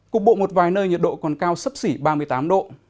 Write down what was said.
cục bộ một vài nơi nhiệt độ còn cao sấp xỉ ba mươi tám độ